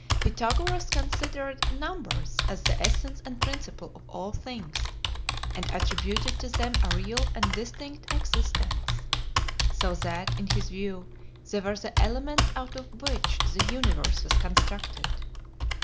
Pythagoras considered NUMBERS as the essence and principle of all things, and attributed to them a real and distinct existence; so that, in his view, they were the elements out of which the universe was constructed.